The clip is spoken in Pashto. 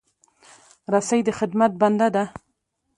رسۍ د خدمت بنده ده.